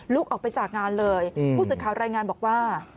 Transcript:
ออกไปจากงานเลยผู้สื่อข่าวรายงานบอกว่า